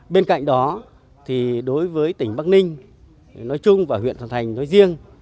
bên cạnh đó đối với tỉnh bắc ninh nói chung và huyện thần thành nói riêng